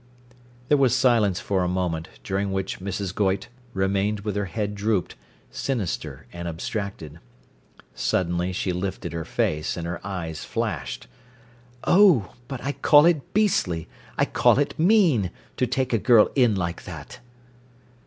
There was silence for a moment, during which Mrs. Goyte remained with her head dropped, sinister and abstracted. Suddenly she lifted her face, and her eyes flashed. "Oh, but I call it beastly, I call it mean, to take a girl in like that."